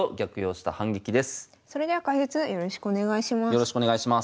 それでは解説よろしくお願いします。